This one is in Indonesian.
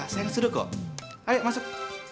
ya sudah kok ayo masuk